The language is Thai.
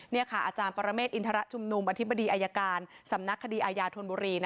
นี่ค่ะอาจารย์ปรเมฆอินทรชุมนุมอธิบดีอายการสำนักคดีอาญาธนบุรี